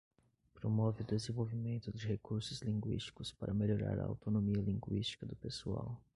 Promove o desenvolvimento de recursos linguísticos para melhorar a autonomia linguística do pessoal.